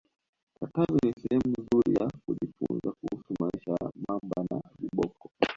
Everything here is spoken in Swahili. katavi ni sehemu nzuri ya kujifunza kuhusu maisha ya mamba na viboko